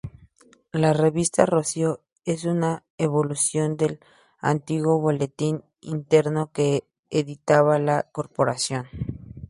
La revista Rocío es una evolución del antiguo boletín interno que editaba la corporación.